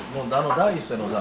第一声のさ